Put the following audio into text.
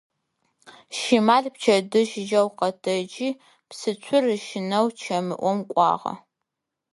Щимал пчэдыжь жьэу къэтэджи псыцур ыщынэу чэмыӏом кӏуагъэ.